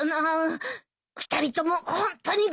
２人ともホントにごめん。